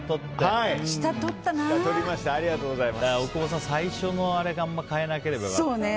大久保さん、最初のあれがあまり変えなければね。